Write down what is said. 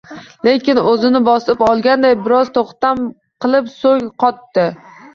Lekin oʻzini bosib olganday, biroz toʻxtam qilib soʻz qotdi: